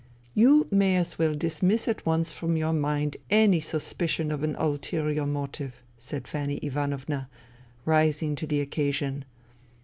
" You may as well dismiss at once from your mind any suspicion of an ulterior motive," said Fanny Ivanovna, rising to the occasion.